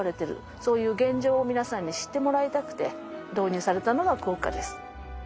そういう現状を皆さんに知ってもらいたくて導入されたのがクオッカです。